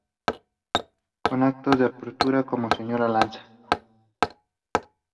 Con actos de apertura como Señora Lanza.